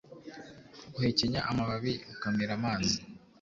uhekenya amababi ukamira amazi